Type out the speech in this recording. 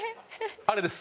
あれです。